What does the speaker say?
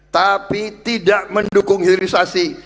tapi tidak mendukung hilirisasi